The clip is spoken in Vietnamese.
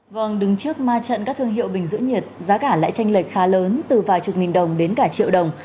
vâng đứng trước ma trận các thương hiệu bình giữ nhiệt giá cả lại tranh lệch khá lớn từ vài chục nghìn đồng đến cả triệu đồng